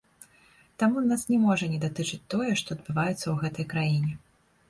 Таму нас не можа не датычыць тое, што адбываецца ў гэтай краіне.